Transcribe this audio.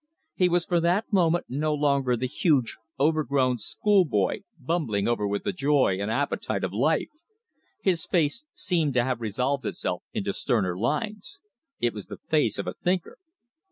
He was for that moment no longer the huge, overgrown schoolboy bubbling over with the joy and appetite of life. His face seemed to have resolved itself into sterner lines. It was the face of a thinker.